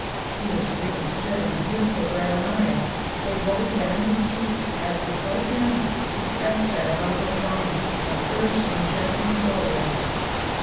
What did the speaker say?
Tears really stood in the beautiful brown eyes. They rolled down his cheeks, as with both hands he pressed that of Uncle John and urged him gently forward.